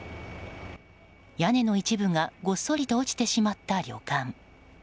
屋根の一部がごっそりと落ちてしまった旅館。